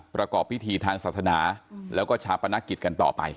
ประกอบพิธีทางศาสนาแล้วก็ชาปนกิจกันต่อไป